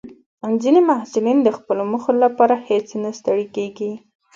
ځینې محصلین د خپلو موخو لپاره هیڅ نه ستړي کېږي.